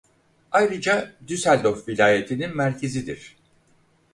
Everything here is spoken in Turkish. Ayrıca Düsseldorf Vilayeti'nin merkezidir.